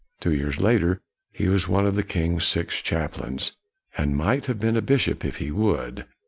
Two years later, he was one of the king's six chaplains, and might have been a bishop, if he would.